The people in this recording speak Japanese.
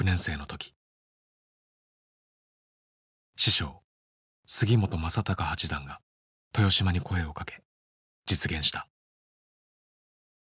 師匠杉本昌隆八段が豊島に声をかけ実現した。